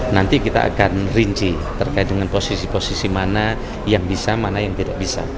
nanti kita akan rinci terkait dengan posisi posisi mana yang bisa mana yang tidak bisa